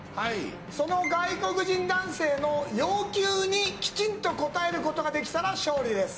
その外国人男性の要求にきちんと答えることができたら勝利です。